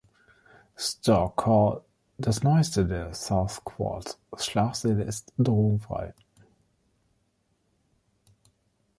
Stark Hall, das neueste der South Quad-Schlafsäle ist drogenfrei.